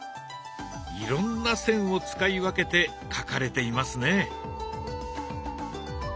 いろんな線を使い分けて描かれていますね。